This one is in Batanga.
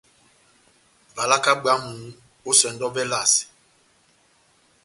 Valaka bwámu ó esɛndɔ yɔvɛ elasɛ.